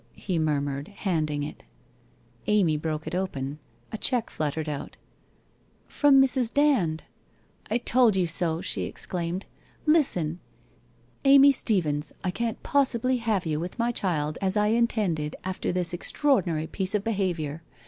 'he murmured, handing it. Amy broke it open. A cheque fluttered out. ' From Mrs. Dand. I told you so/ she exclaimed. 'Listen! "Amy Steevens, I can't possibly have you with my child as I had intended after this extraordinary piece of behaviour.